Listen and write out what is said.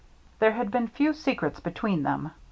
There had been few secrets between them.